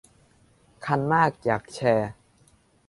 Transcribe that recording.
คันมากอยากแชร์